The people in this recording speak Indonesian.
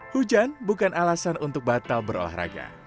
hujan bukan alasan untuk batal berolahraga